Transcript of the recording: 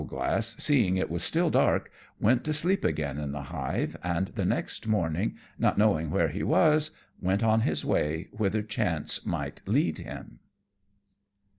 _] Owlglass, seeing it was still dark, went to sleep again in the hive; and the next morning, not knowing where he was, went on his way whither chance might lead him.